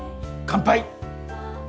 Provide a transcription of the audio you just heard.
乾杯！